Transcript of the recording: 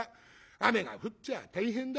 雨が降っちゃあ大変だ。